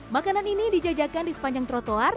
makanan ini dijajakan di sepanjang trotoar